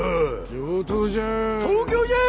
上等じゃ。